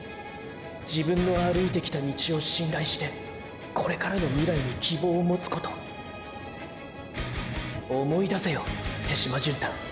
自分の歩いてきた道を信頼してこれからの未来に希望を持つこと思い出せよ手嶋純太。